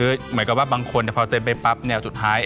หรือหมายความว่าบางคนพอเซ็นไปปั๊บเนี่ยสุดท้าย